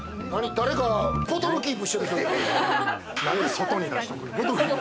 誰かボトルキープしてんの？